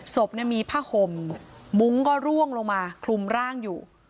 ศพเนี่ยมีผ้าห่มมุ้งก็ร่วงลงมาคลุมร่างอยู่